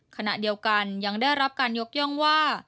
ขณะเดียวกันยังได้รับการยกย่องว่า